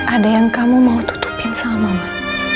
ada yang kamu mau tutupin sama mbak